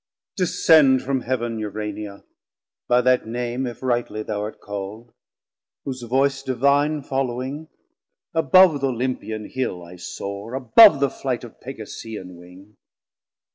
Descend from Heav'n Urania, by that name If rightly thou art call'd, whose Voice divine Following, above th' Olympian Hill I soare, Above the flight of Pegasean wing.